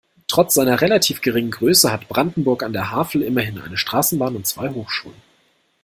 Trotz seiner relativ geringen Größe hat Brandenburg an der Havel immerhin eine Straßenbahn und zwei Hochschulen.